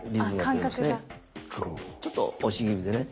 ちょっと押し気味でね。